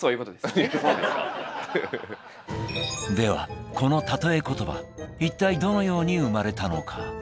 ではこのたとえコトバ一体どのように生まれたのか。